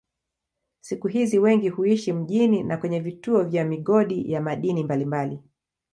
Siku hizi wengi huishi mjini na kwenye vituo vya migodi ya madini mbalimbali.